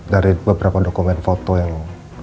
dari beberapa dokumen foto yang